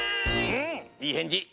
うんいいへんじ！